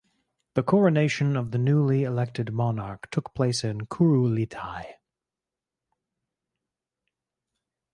The coronation of the newly elected monarch took place on Kurultai.